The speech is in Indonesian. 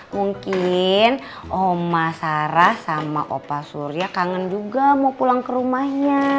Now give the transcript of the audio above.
mungkin oma sarah sama opa surya kangen juga mau pulang ke rumahnya